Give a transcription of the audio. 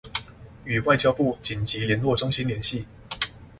與外交部緊急聯絡中心聯繫